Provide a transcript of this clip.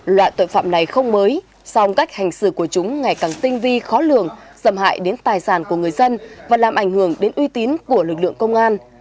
loại tội phạm này không mới song cách hành xử của chúng ngày càng tinh vi khó lường xâm hại đến tài sản của người dân và làm ảnh hưởng đến uy tín của lực lượng công an